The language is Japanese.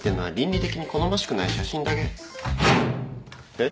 えっ！？